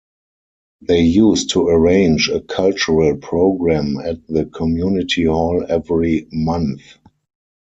They used to arrange a cultural programme at the Community Hall every month.